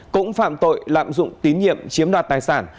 cũng phạm tội lạm dụng tín nhiệm chiếm đoạt tài sản